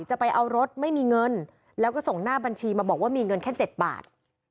จะเอารถไม่มีเงินแล้วก็ส่งหน้าบัญชีมาบอกว่ามีเงินแค่๗บาท